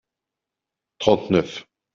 Trente-neuf.